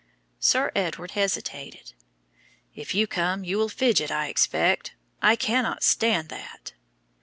Sir Edward hesitated. "If you come, you will fidget, I expect. I cannot stand that."